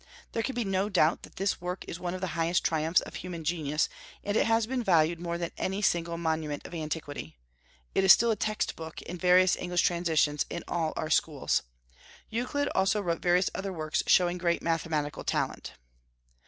There can be no doubt that this work is one of the highest triumphs of human genius, and it has been valued more than any single monument of antiquity; it is still a text book, in various English translations, in all our schools. Euclid also wrote various other works, showing great mathematical talent.